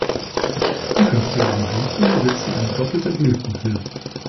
Die fünfzähligen Blüten besitzen eine doppelte Blütenhülle.